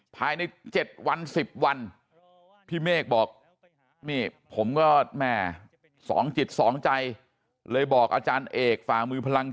ภายใน๗วัน๑๐วันพี่เมฆบอกนี่ผมก็แม่๒จิตสองใจเลยบอกอาจารย์เอกฝ่ามือพลัง